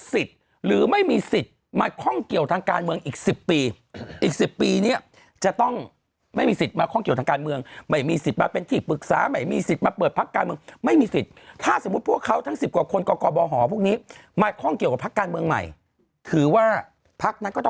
หรือไม่มีสิทธิ์มาข้องเกี่ยวทางการเมืองอีก๑๐ปีอีก๑๐ปีเนี่ยจะต้องไม่มีสิทธิ์มาข้องเกี่ยวทางการเมืองไม่มีสิทธิ์มาเป็นที่ปรึกษาไม่มีสิทธิ์มาเปิดพักการเมืองไม่มีสิทธิ์ถ้าสมมุติพวกเขาทั้ง๑๐กว่าคนกกบหพวกนี้มาข้องเกี่ยวกับพักการเมืองใหม่ถือว่าพักนั้นก็ต้อง